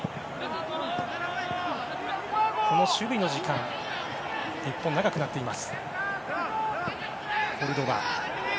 守備の時間が日本は長くなっています。